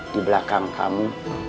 di belakang kamu